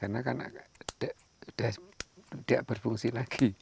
iya karena tidak berfungsi lagi